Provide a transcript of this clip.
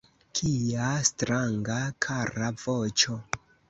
Kia stranga, kara voĉo!